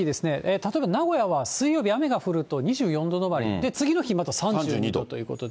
例えば名古屋は水曜日、雨が降ると２４度止まり、次の日また３２度ということで。